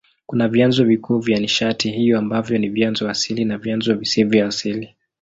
Kuna vyanzo vikuu vya nishati hiyo ambavyo ni vyanzo asili na vyanzo visivyo asili.